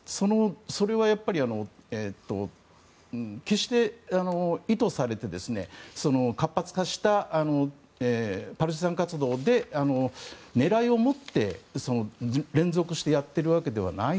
それはやっぱり決して意図されて活発化したパルチザン活動で狙いを持って連続してやっているわけではない。